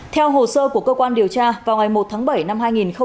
theo hồ sơ của cơ quan điều tra vào ngày một tháng bảy năm hai nghìn hai mươi